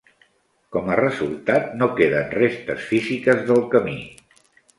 Com a resultat, no queden restes físiques del camí.